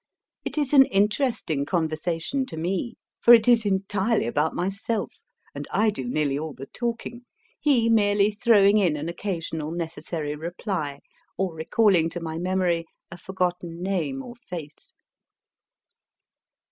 It is an interesting conversation to me, for it is entirely about myself, and I do nearly all the talking, he merely throwing in an occasional necessary reply, or recalling to my memory a forgotten name or face.